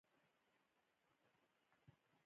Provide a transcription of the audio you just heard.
یا هغه څوک چې ملا نه دی کم حق لري.